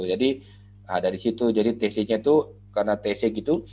jadi dari situ jadi tc nya itu karena tc gitu